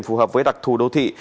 phù hợp với đặc thù đô thị